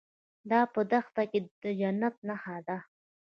دا په دښته کې د جنت نښه ده.